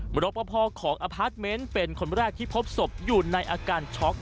รบพอของอพาร์ทเมนต์เป็นคนแรกที่พบศพอยู่ในอาการช็อก